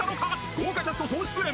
豪華キャスト総出演！